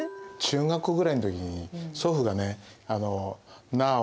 中学校ぐらいの時に祖父がねなあ